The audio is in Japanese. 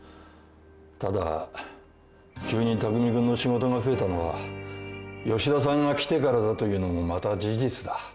ただ急に匠君の仕事が増えたのは吉田さんが来てからだというのもまた事実だ。